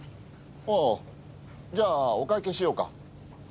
ああじゃあお会計しようか。